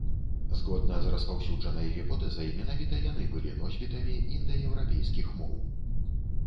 Згодна з распаўсюджанай гіпотэзай, менавіта яны былі носьбітамі індаеўрапейскіх моў.